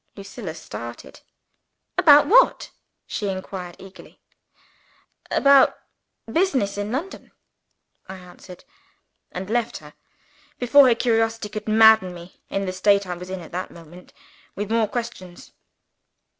Lucilla started. "About what?" she inquired eagerly. "About business in London," I answered and left her, before her curiosity could madden me (in the state I was in at that moment) with more questions.